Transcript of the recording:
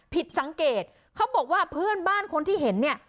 ผิดสังเกตเขาบอกว่าเพื่อนบ้านคนที่เห็นเนี่ย